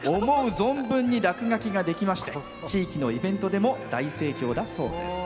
存分に落書きができまして地域のイベントでも大盛況だそうです。